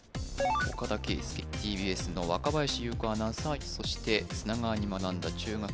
岡田圭右ＴＢＳの若林有子アナウンサーそして砂川に学んだ中学生